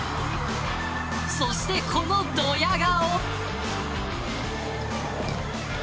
そして、このどや顔。